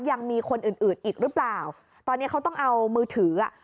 ยังมีคนอื่นอื่นอีกหรือเปล่าตอนเนี้ยเขาต้องเอามือถืออ่ะ